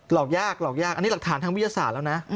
อกยากหลอกยากอันนี้หลักฐานทางวิทยาศาสตร์แล้วนะ